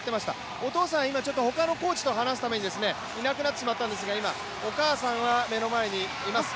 お父さん、今ちょっと他のコーチと話すためにいなくなってしまったんですが、今お母さんは目の前にいます。